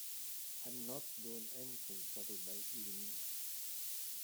I'm not doing anything Saturday evening.